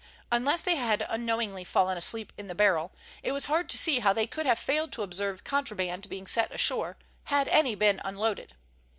Unless they had unknowingly fallen asleep in the barrel, it was hard to see how they could have failed to observe contraband being set ashore, had any been unloaded.